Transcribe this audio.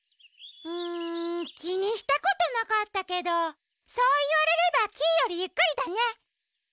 うんきにしたことなかったけどそういわれればキイよりゆっくりだね。